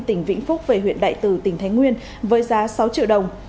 tỉnh vĩnh phúc về huyện đại từ tỉnh thái nguyên với giá sáu triệu đồng